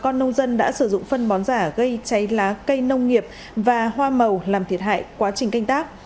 nhân dân đã sử dụng phân bón giả gây cháy lá cây nông nghiệp và hoa màu làm thiệt hại quá trình canh tác